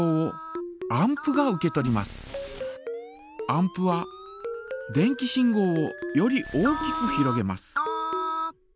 アンプは電気信号をより大きくひろげます。